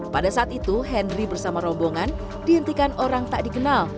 pada saat itu henry bersama rombongan dihentikan orang tak dikenal